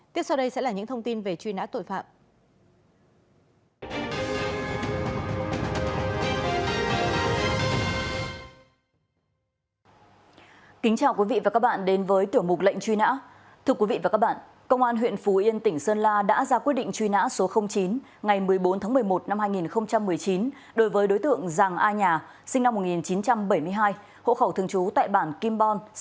tiếp sau đây sẽ là những thông tin về truy nã tội phạm